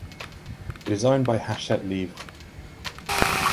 It is owned by Hachette Livre.